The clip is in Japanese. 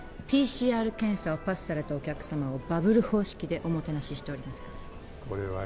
ＰＣＲ検査をパスされたお客様をバブル方式でおもてなししておりますから。